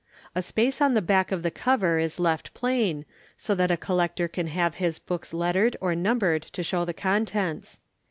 A space on the back of the cover is left plain, so that a Collector can have his books lettered or numbered to show the contents.